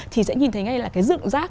thì sẽ nhìn thấy ngay là cái dựng rác